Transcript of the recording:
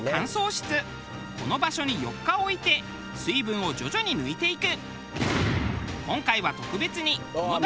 この場所に４日置いて水分を徐々に抜いていく。